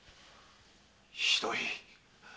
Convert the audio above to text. ひどい。